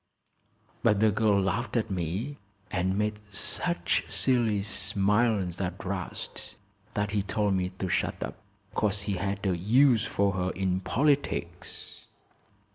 But the girl laughed at me and made such silly smiles at 'Rast that he told me to shut up, 'cause he had a use for her in politics."